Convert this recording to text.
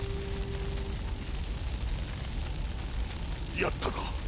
やったか？